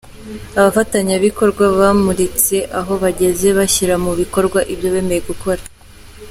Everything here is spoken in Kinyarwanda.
Abafatanyabikorwa bamuritse aho bageze bashyira mu bikorwa ibyo bemeye gukora